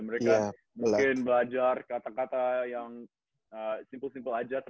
mereka mungkin belajar kata kata yang simpel simpel aja